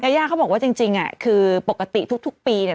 ย่าเขาบอกว่าจริงอ่ะคือปกติทุกปีเนี่ย